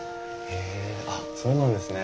あっそうなんですね。